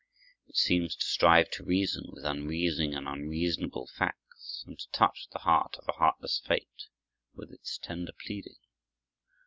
It seems to strive to reason with unreasoning and unreasonable facts, and to touch the heart of a heartless fate with its tender pleading.